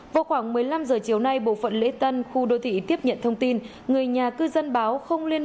vào khoảng một mươi năm h chiều nay bộ phận lễ tân khu đô thị tiếp nhận thông tin người nhà cư dân báo không liên